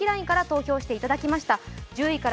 ＬＩＮＥから投票していただきました。